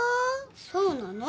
そうなの？